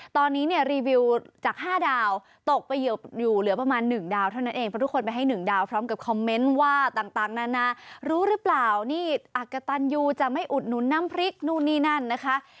ตอนนี้เนี่ยรีวิวจาก๕ดาวตกไปอยู่เหลือประมาณ๑ดาวเท่านั้นเองเพราะทุกคนไปให้๑ดาวพร้อมกับคอมเมนต์ว่าต่างนานารู้หรือเปล่านี่อักกะตันยูจะไม่อุดหนุนน้ำพริกนู่นนี่นั่นนะคะ